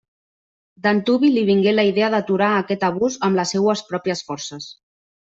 D'antuvi li vingué la idea d'aturar aquest abús amb les seues pròpies forces.